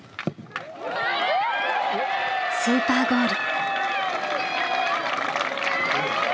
スーパーゴール。